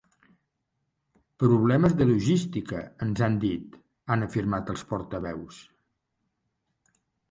Problemes de logística, ens han dit, han afirmat els portaveus.